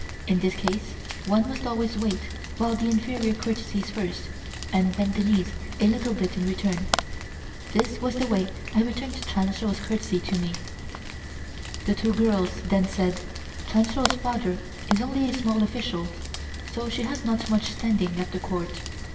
In this case one must always wait while the inferior courtesies first, and bend the knees a little bit in return. This was the way I returned Chun Shou's courtesy to me.) The two girls then said "Chun Shou's father is only a small official, so she has not much standing at the Court.